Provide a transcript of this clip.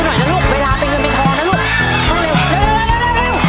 เร็วลูกเวลาเดินแล้ว